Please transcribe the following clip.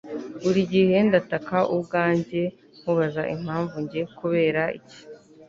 buri gihe ndataka ubwanjye mubaza impamvu njye? kubera iki